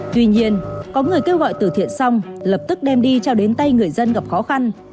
tuy nhiên có người kêu gọi tử thiện xong lập tức đem đi trao đến tay người dân gặp khó khăn